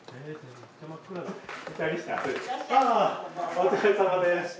お疲れさまです。